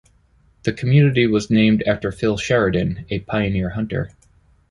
The community was named after Phil Sheridan, a pioneer hunter.